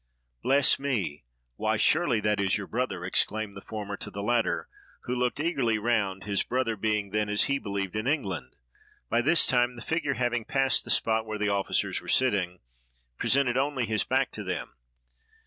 "Bless me! why, surely that is your brother!" exclaimed the former to the latter, who looked eagerly round, his brother being then, as he believed, in England. By this time the figure, having passed the spot where the officers were sitting, presented only his back to them.